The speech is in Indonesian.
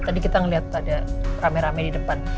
tadi kita ngeliat tadi rame rame di depan